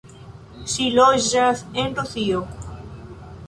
Ŝi loĝas en Rusio.